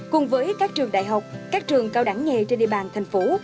cùng với các trường đại học các trường cao đẳng nghề trên địa bàn thành phố